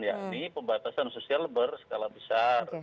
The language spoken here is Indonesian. yakni pembatasan sosial berskala besar